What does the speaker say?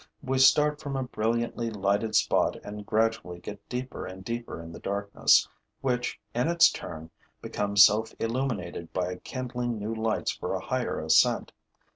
We start from a brilliantly lighted spot and gradually get deeper and deeper in the darkness, which, in its turn, becomes self illuminated by kindling new lights for a higher ascent.